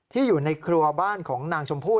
อยู่ในครัวบ้านของนางชมพู่